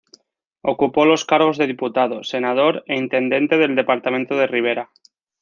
Ocupó los cargos de diputado, senador e intendente del departamento de Rivera.